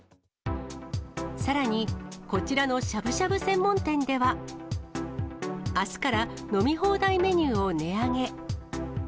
さらに、こちらのしゃぶしゃぶ専門店では、あすから飲み放題メニューを値上げ。